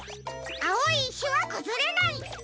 あおいいしはくずれない。